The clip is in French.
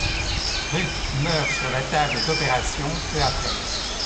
Ruth meurt sur la table d'opération peu après.